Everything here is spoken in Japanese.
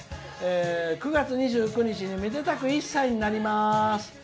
「９月２５日にめだたく１歳になります。